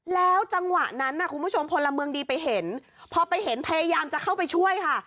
แล้วจังหวะนั้นคุณผู้ชมพลเมืองดีไปเห็นพอไปเห็นพยายามจะเข้าไปช่วยค่ะ